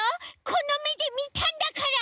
このめでみたんだから！